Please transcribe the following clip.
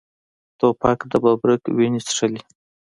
توپک د ببرک وینې څښلي.